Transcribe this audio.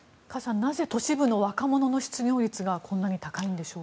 なぜ都市部の若者の失業率がこんなに高いんでしょうか。